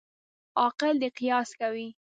عاقل دي قیاس کوي.